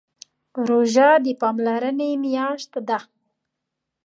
روژه د پاملرنې میاشت ده.